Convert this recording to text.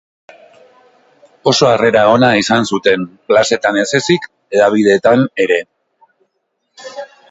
Oso harrera ona izan zuten plazetan ez ezik, hedabideetan ere.